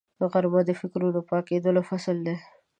غرمه د فکرونو پاکېدو فصل دی